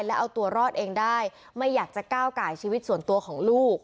แล้วเอาตัวรอดเองได้ไม่อยากจะก้าวไก่ชีวิตส่วนตัวของลูก